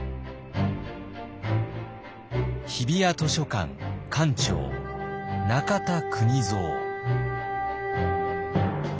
日比谷図書館館長中田邦造。